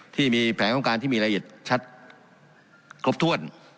ที่มีแผนของการที่มีรายละเอียดชัดครบถ้วน